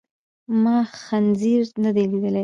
ما خنزير ندی لیدلی.